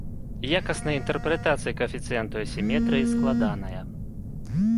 Якасная інтэрпрэтацыя каэфіцыенту асіметрыі складаная.